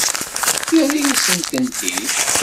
Yerra-yasent-tent-id.